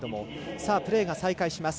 プレーが再開します。